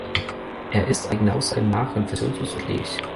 Er ist eigener Aussage nach konfessionslos und ledig.